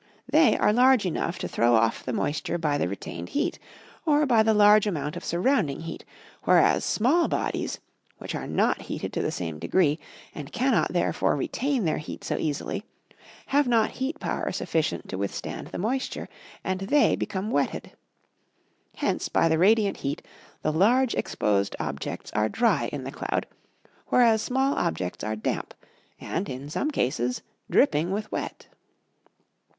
They are large enough to throw off the moisture by the retained heat, or by the large amount of surrounding heat; whereas, small bodies, which are not heated to the same degree and cannot therefore retain their heat so easily, have not heat power sufficient to withstand the moisture, and they become wetted. Hence, by the radiant heat, the large exposed objects are dry in the cloud; whereas small objects are damp, and, in some cases, dripping with wet.